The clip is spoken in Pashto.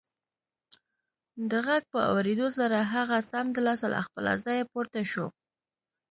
د غږ په اورېدو سره هغه سمدلاسه له خپله ځايه پورته شو